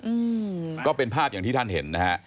อืมก็เป็นภาพอย่างที่ท่านเห็นนะฮะ